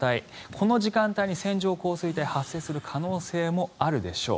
この時間帯に線状降水帯が発生する可能性もあるでしょう。